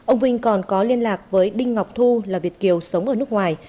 ông vinh còn có liên lạc với đinh ngọc thu là việt kiều sống ở nước ngoài